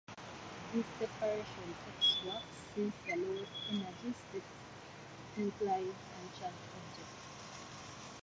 This separation takes work since the lowest energy state implies uncharged objects.